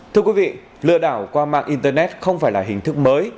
thưa quý vị lừa đảo qua mạng internet không phải là hình thức mới